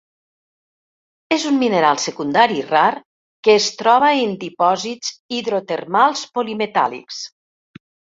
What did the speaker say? És un mineral secundari rar que es troba en dipòsits hidrotermals polimetàl·lics.